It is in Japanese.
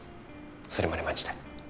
それまで待ちたい。